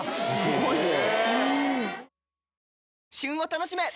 すごいね。